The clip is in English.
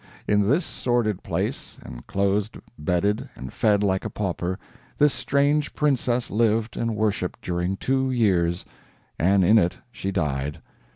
In this sordid place, and clothed, bedded, and fed like a pauper, this strange princess lived and worshiped during two years, and in it she died.